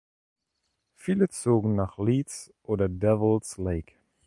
Viele zogen nach Leeds oder Devils Lake.